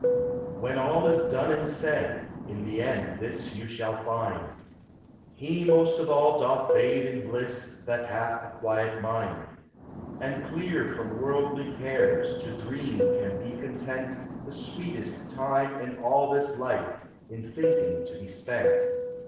When all is done and said, in the end this shall you find : He most of all doth bathe in bliss that hath a quiet mind ; And, clear from worldly cares, to dream can be content The sweetest time in all this life in thinking to be spent.